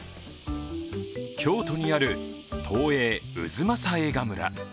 京都にある東映太秦映画村。